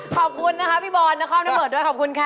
ขอบคุณนะคะพี่บอลนครนเบิร์ดด้วยขอบคุณค่ะ